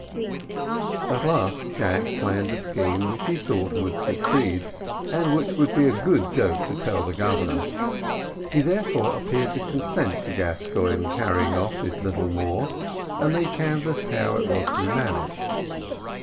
At last Jack planned a scheme, which he thought would succeed, and which would be a good joke to tell the Governor. He therefore appeared to consent to Gascoigne's carrying off his little Moor, and they canvassed how it was to be managed.